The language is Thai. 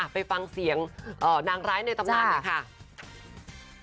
ไปฟังเสียงนางร้ายในตำนานหน่อยค่ะ